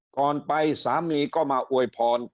ก่อนไปสามีก็มาอวยพร